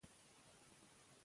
که سريښ وي نو کاغذ نه جلا کیږي.